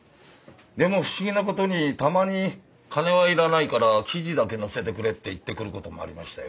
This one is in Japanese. でも不思議な事にたまに金はいらないから記事だけ載せてくれって言ってくる事もありましたよ。